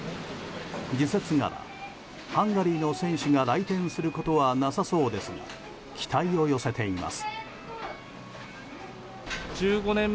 時節柄、ハンガリーの選手が来店することはなさそうですが期待を寄せています。